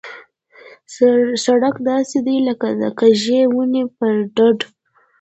سړک داسې دی لکه د کږې ونې پر ډډ.